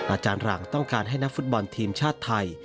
อาจารย์หลังต้องการให้นักฟุตบอลทีมชาติไทย